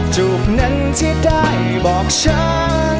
จูบนั้นที่ได้บอกฉัน